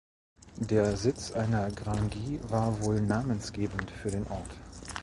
Der Sitz einer Grangie war wohl namensgebend für den Ort.